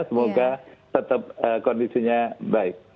semoga tetap kondisinya baik